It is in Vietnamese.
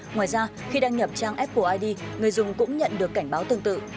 ngoài ra khi đăng nhập trang apple id người dùng cũng nhận được cảnh báo tương tự